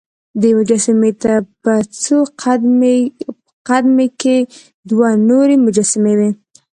دې مجسمې ته په څو قد مې کې دوه نورې مجسمې وې.